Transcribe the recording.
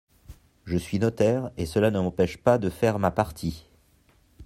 Je suis notaire et cela ne m’empêche pas de faire ma partie.